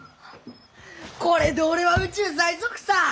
これで俺は宇宙最速さー！